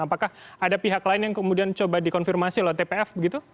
apakah ada pihak lain yang kemudian coba dikonfirmasi oleh tpf begitu